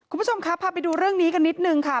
คุณผู้ชมครับพาไปดูเรื่องนี้กันนิดนึงค่ะ